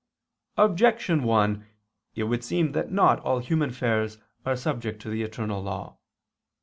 Objection 1: It would seem that not all human affairs are subject to the eternal law.